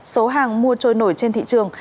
số hàng mua trôi nổi trên thị trường